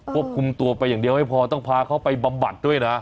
ควบคุมตัวไปอย่างเดียวไม่พอต้องพาเขาไปบำบัดด้วยนะ